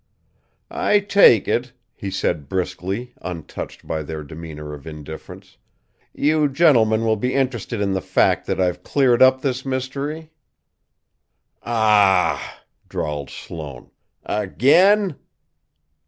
"I take it," he said briskly, untouched by their demeanour of indifference, "you gentlemen will be interested in the fact that I've cleared up this mystery." "Ah h h!" drawled Sloane. "Again?"